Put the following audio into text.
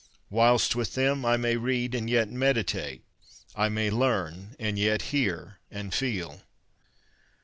Whilst with them I may read and yet meditate. I may learn and yet hear and feel.